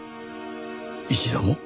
一度も。